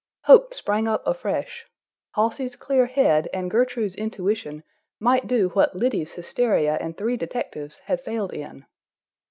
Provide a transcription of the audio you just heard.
Hope sprang up afresh. Halsey's clear head and Gertrude's intuition might do what Liddy's hysteria and three detectives had failed in.